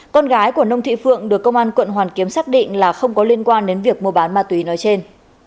con gái của nông thị phượng được công an quận hoàn kiếm xác định là không có liên quan đến việc mua bán ma túy nói trên